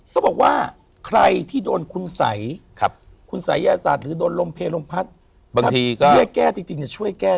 ก็บอกว่าใครที่โดนคุณสัยคุณสัยแย่ศาสตร์หรือโรงเพลงพัฒน์เบี้ยแก้จริงจะช่วยแก้ได้